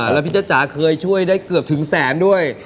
แล้วพี่จ้าจ๋าเคยช่วยได้เกือบถึงแสนด้วย